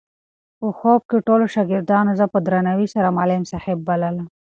په خوب کې ټولو شاګردانو زه په درناوي سره معلم صاحب بللم.